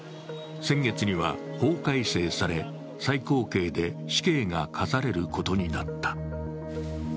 先月には法改正され、最高刑で死刑が科されることになった。